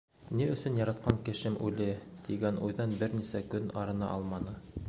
Ни өсөн яратҡан кешем үле, тигән уйҙан бер нисә көн арына алманым.